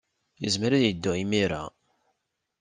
Yezmer ad yeddu imir-a.